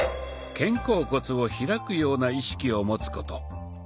肩甲骨を開くような意識を持つこと。